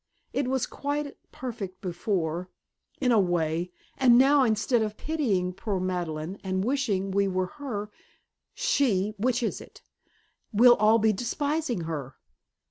It was quite perfect before in a way. And now instead of pitying poor Madeleine and wishing we were her she which is it? we'll all be despising her!"